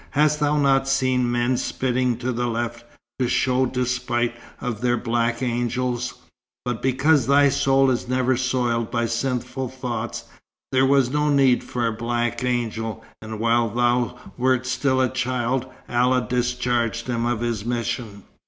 Hast thou not seen men spitting to the left, to show despite of their black angels? But because thy soul is never soiled by sinful thoughts, there was no need for a black angel, and whilst thou wert still a child, Allah discharged him of his mission."